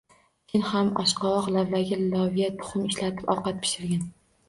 Sen ham oshqovoq, lavlagi, loviya, tuxum ishlatib ovqat pishirgin